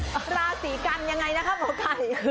ชาวราศรีกันยังไงนะครับหัวไก่